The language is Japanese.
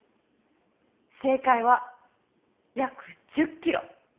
正解は約１０ｋｍ。